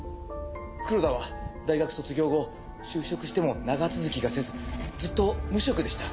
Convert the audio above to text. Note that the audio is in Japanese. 黒田は大学卒業後就職しても長続きがせずずっと無職でした。